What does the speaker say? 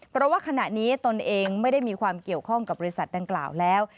เพราะว่าขณะนี้ตนเองไม่ได้มีความเกี่ยวข้องกับบริษัทดังกล่าวแล้ว